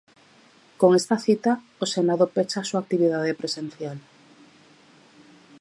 Con esta cita, o Senado pecha a súa actividade presencial.